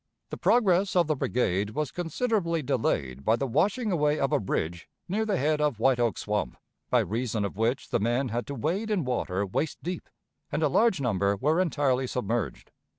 ... The progress of the brigade was considerably delayed by the washing away of a bridge near the head of White Oak Swamp, by reason of which the men had to wade in water waist deep, and a large number were entirely submerged.